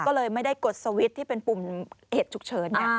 ก็เลยไม่ได้กดสวิตช์ที่เป็นปุ่มเหตุฉุกเฉิน